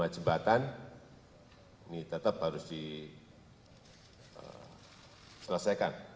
tiga puluh lima jembatan ini tetap harus diselesaikan